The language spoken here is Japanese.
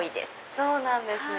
そうなんですね。